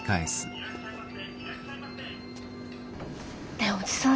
ねえおじさん